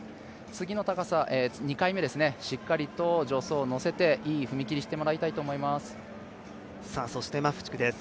次の高さ、２回目しっかりと助走をのせていい踏み切りしてもらいたいと思います。